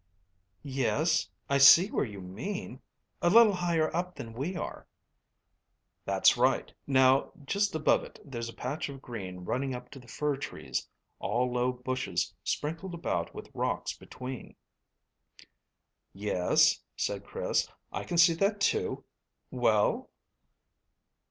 "Yes, I see where you mean a little higher up than we are." "That's right. Now, just above it there's a patch of green running up to the fir trees, all low bushes sprinkled about with the rocks between." "Yes," said Chris, "I can see that too. Well?"